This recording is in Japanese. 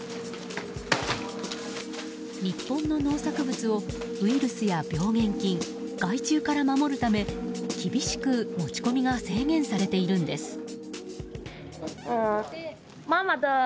日本の農作物をウイルスや病原菌害虫から守るため厳しく持ち込みが制限されているんです。